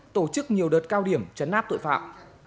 tổ chức nhiều đợt cao điểm chấn áp tội phạm